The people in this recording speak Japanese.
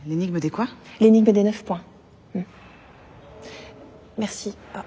うん。